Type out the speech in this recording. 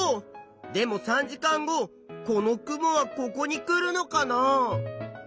でも３時間後この雲はここに来るのかな？